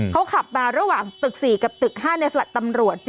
เขาขับมาระหว่างตึก๔กับตึก๕ในแฟลต์ตำรวจ